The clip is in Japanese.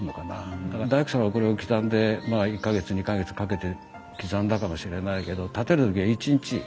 だから大工さんはこれを刻んでまあ１か月２か月かけて刻んだかもしれないけど建てる時は１日。